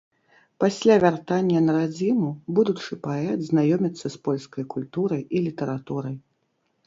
Пасля вяртання на радзіму будучы паэт знаёміцца з польскай культурай і літаратурай.